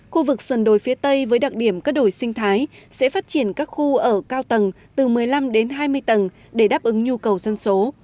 khu vực sườn đồi phía tây với đặc điểm các đồi sinh thái sẽ phát triển các khu ở cao tầng từ một mươi năm đến hai mươi tầng để đáp ứng nhu cầu dân số